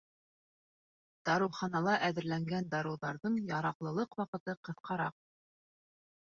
Дарыуханала әҙерләнгән дарыуҙарҙың яраҡлылыҡ ваҡыты ҡыҫҡараҡ.